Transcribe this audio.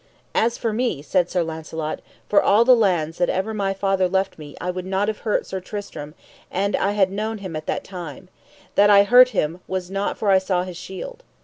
As for me, said Sir Launcelot, for all the lands that ever my father left me I would not have hurt Sir Tristram an I had known him at that time; that I hurt him was for I saw not his shield.